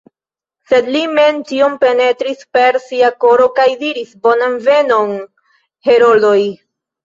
Sed li mem tion penetris per sia koro kaj diris: « Bonan venon, heroldoj!"